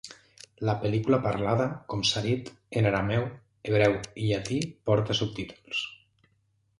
La pel·lícula parlada, com s'ha dit, en arameu, hebreu i llatí porta subtítols.